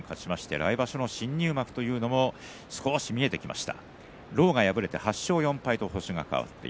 来場所の新入幕というのも少し見えてきました。